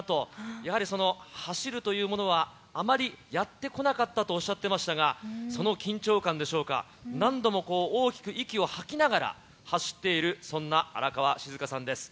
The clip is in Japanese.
やはり走るというものは、あまりやってこなかったとおっしゃってましたが、その緊張感でしょうか、何度も大きく息を吐きながら、走っている、そんな荒川静香さんです。